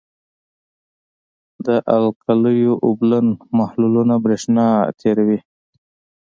د القلیو اوبلن محلولونه برېښنا تیروي.